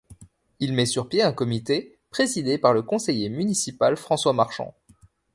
Il met sur pied un comité présidé par le conseiller municipal François Marchand.